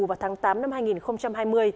vào tháng tám năm hai nghìn hai mươi